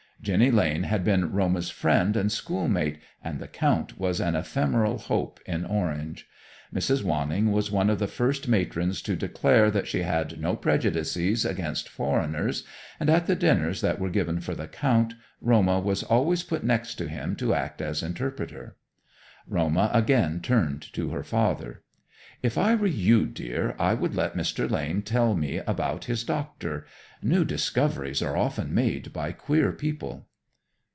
Jenny Lane had been Roma's friend and schoolmate, and the Count was an ephemeral hope in Orange. Mrs. Wanning was one of the first matrons to declare that she had no prejudices against foreigners, and at the dinners that were given for the Count, Roma was always put next him to act as interpreter. Roma again turned to her father. "If I were you, dear, I would let Mr. Lane tell me about his doctor. New discoveries are often made by queer people."